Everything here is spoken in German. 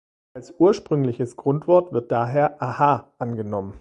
Als ursprüngliches Grundwort wird daher "aha" angenommen.